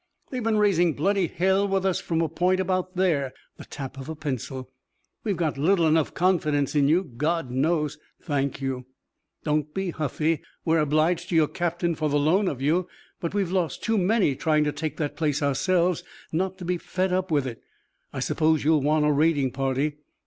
"They've been raisin' bloody hell with us from a point about there." The tap of a pencil. "We've got little enough confidence in you, God knows " "Thank you." "Don't be huffy. We're obliged to your captain for the loan of you. But we've lost too many trying to take the place ourselves not to be fed up with it. I suppose you'll want a raiding party?"